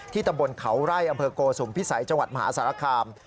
ที่ตะบลเขาไร่อำเภอโกสุมภิษัยจมหาศาลคาม